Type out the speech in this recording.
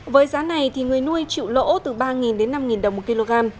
với giá này người nuôi chịu lỗ từ ba năm đồng một kg